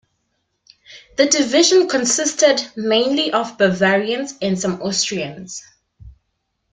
The division consisted mainly of Bavarians and some Austrians.